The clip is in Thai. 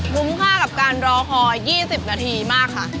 คุ้มค่ากับการรอคอย๒๐นาทีมากค่ะ